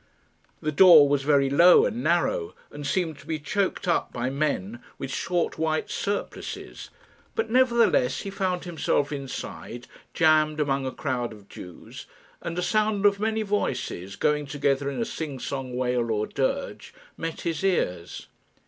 The door was very low and narrow, and seemed to be choked up by men with short white surplices, but nevertheless he found himself inside, jammed among a crowd of Jews; and a sound of many voices, going together in a sing song wail or dirge, met his ears.